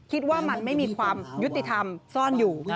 คิดว่ามันไม่มีความยุติธรรมซ่อนอยู่